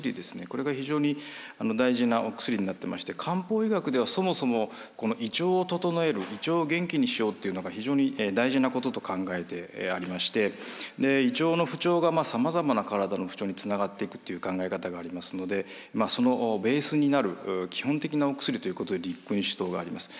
これが非常に大事なお薬になってまして漢方医学ではそもそも胃腸を整える胃腸を元気にしようっていうのが非常に大事なことと考えてありまして胃腸の不調がさまざまな体の不調につながっていくっていう考え方がありますのでそのベースになる基本的なお薬ということで六君子湯があります。